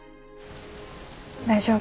大丈夫？